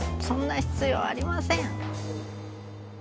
「そんな必要ありません！」。